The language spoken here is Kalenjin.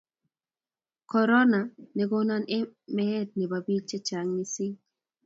korona ne kogon meet nebo bik chechang mising